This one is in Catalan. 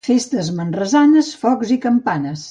Festes manresanes, focs i campanes.